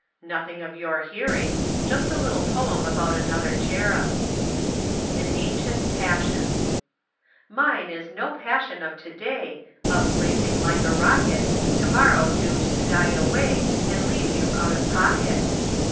"Nothing of your hearing. Just a little poem about another Cherub." AN ANCIENT PASSION. Mine is no passion of to day, Upblazing like a rocket, To morrow doomed to die away And leave you out of pocket.